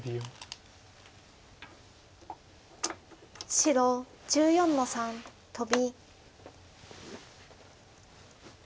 白１４の三トビ。